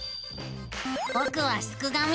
ぼくはすくがミ。